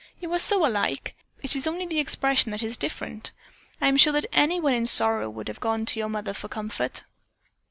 "You are so alike. It is only the expression that is different. I am sure that anyone in sorrow would have gone to your mother for comfort."